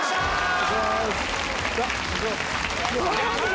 お願いします。